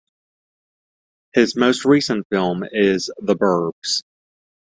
His most recent film is "The 'burbs".